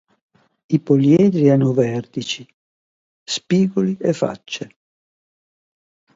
I poliedri hanno vertici, spigoli e facce.